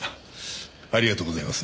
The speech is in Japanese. ありがとうございます。